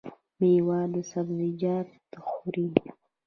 میوه او سبزیجات خورئ؟